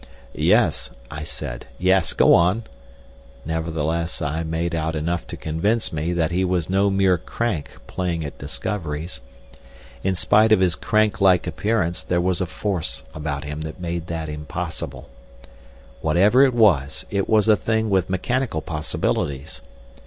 "Yes," I said, "yes. Go on!" Nevertheless I made out enough to convince me that he was no mere crank playing at discoveries. In spite of his crank like appearance there was a force about him that made that impossible. Whatever it was, it was a thing with mechanical possibilities.